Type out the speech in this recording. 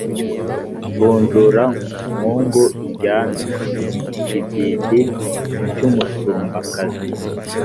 Vunjura Nkungu iryame-Ikibyindi cy'umusumbakazi.